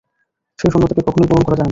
সেই শূন্যতাকে কখনোই পূরণ করা যায় না।